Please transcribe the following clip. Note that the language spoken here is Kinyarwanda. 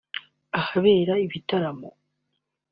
ahabera ibitaramo